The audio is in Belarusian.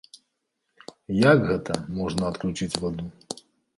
Як гэта можна адключыць ваду?